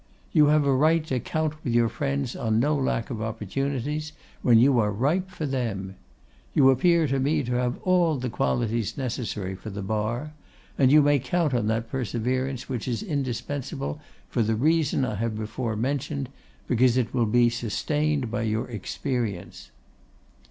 You have a right to count with your friends on no lack of opportunities when you are ripe for them. You appear to me to have all the qualities necessary for the Bar; and you may count on that perseverance which is indispensable, for the reason I have before mentioned, because it will be sustained by your experience.